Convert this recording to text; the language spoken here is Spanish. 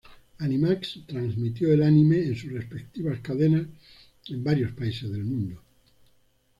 Animax transmitió el anime en sus respectivas cadenas en varios países del mundo.